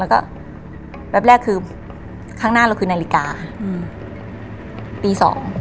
แล้วก็แวบแรกคือข้างหน้าเราคือนาฬิกาตี๒